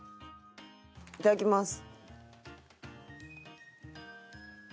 いただきます。